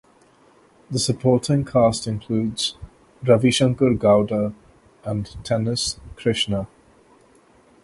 The supporting cast includes Ravishankar Gowda and Tennis Krishna.